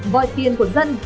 vòi tiền của dân